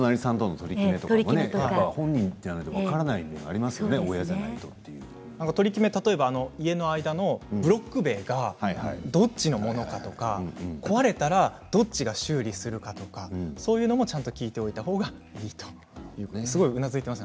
取り決めというと家の間のブロック塀がどちらのものかとか壊れたらどっちが修理するかとかそういうのもちゃんと聞いておいたほうがいいということです。